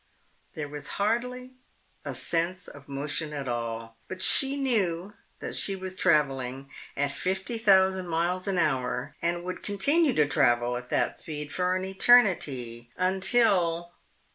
_ There was hardly a sense of motion at all, but she knew that she was traveling at fifty thousand miles an hour and would continue to travel at that speed for an eternity, until....